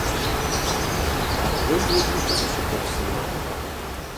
Аргъуейм и лым хуэдэщ и лэпсри.